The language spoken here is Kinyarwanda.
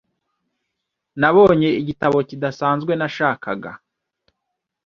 Nabonye igitabo kidasanzwe nashakaga .